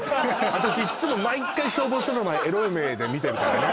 私いっつも毎回消防署の前エロい目で見てるからね